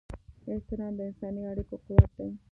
احترام د انساني اړیکو قوت دی.